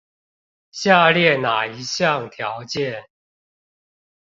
下列那一項條件